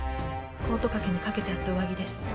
コート掛けに掛けてあった上着です